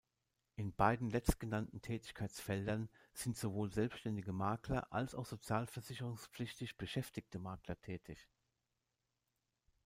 In beiden letztgenannten Tätigkeitsfeldern sind sowohl selbständige Makler als auch sozialversicherungspflichtig beschäftigte Makler tätig.